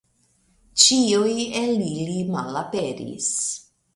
Ĉiuj el ili malaperis.